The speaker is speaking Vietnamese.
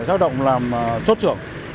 xác động làm chốt trưởng